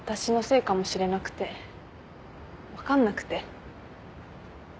分かんなくて。